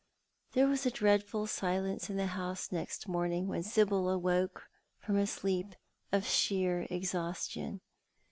There was a dreadful silence in the house next morning when Sibyl awoke from a sleep of sheer exhaustion.